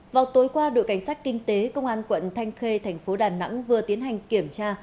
vào tối qua đội cảnh sát kinh tế công an quận thanh khê thành phố đà nẵng vừa tiến hành kiểm tra